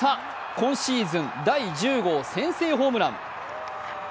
今シーズン第１０号先制ホームラン。